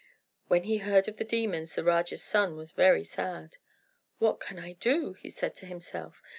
When he heard of the demons the Raja's son was very sad. "What can I do?" he said to himself.